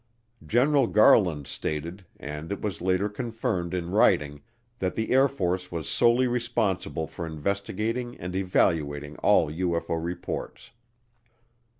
General Garland stated, and it was later confirmed in writing, that the Air Force was solely responsible for investigating and evaluating all UFO reports.